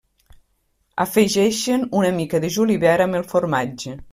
Afegeixen una mica de julivert amb el formatge.